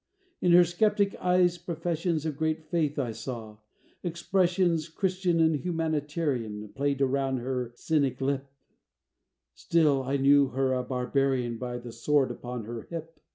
In her skeptic eyes professions Of great faith I saw; expressions, Christian and humanitarian, Played around her cynic lip; Still I knew her a barbarian By the sword upon her hip.